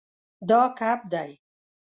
دا کب دی